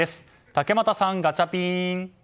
竹俣さん、ガチャピン！